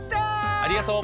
ありがとう。